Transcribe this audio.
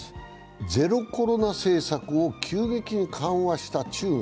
ゼロコロナ政策を急激に緩和した中国。